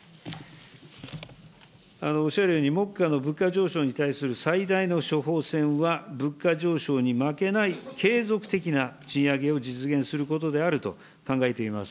おっしゃるように目下の物価上昇に対する最大の処方箋は、物価上昇に負けない継続的な賃上げを実現することであると考えています。